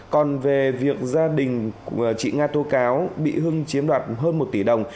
còn về việc gia đình chị nga tô cáo bị hưng chiếm đoạt hơn một tỷ đồng